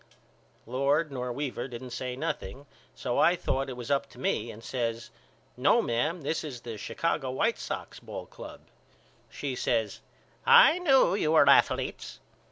Lord nor Weaver didn't say nothing so I thought it was up to me and I says No mam this is the Chicago White Sox Ball Club. She says I knew you were athaletes.